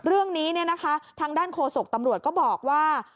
เรื่องนี้ทางด้านโฆษกตำรวจก็บอกว่า